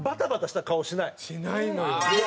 しないのよ。